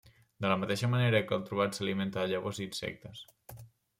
De la mateixa manera que el trobat s'alimenta de llavors i insectes.